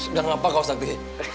sedang apa kau sakti